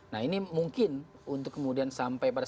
nah ini mungkin untuk kemudian sampai pada